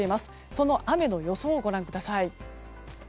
その雨の予想をご覧ください。